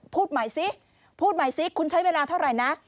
พูดหมายซิคุณใช้เวลาเท่าไหร่นะ